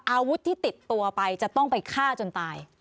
อาวุธที่ติดตัวไปจะต้องไปฆ่าจนตาย